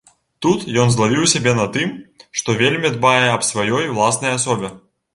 Тут ён злавіў сябе на тым, што вельмі дбае аб сваёй уласнай асобе.